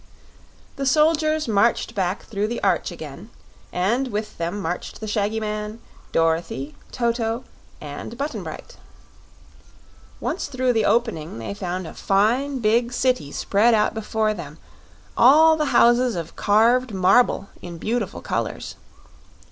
The soldiers marched back through the arch again, and with them marched the shaggy man, Dorothy, Toto, and Button Bright. Once through the opening they found a fine, big city spread out before them, all the houses of carved marble in beautiful colors.